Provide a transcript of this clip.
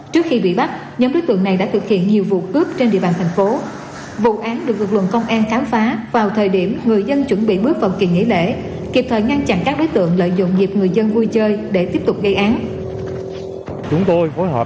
trước khi bị bắt nhóm đối tượng này đã thực hiện nhiều vụ cướp trên địa bàn thành phố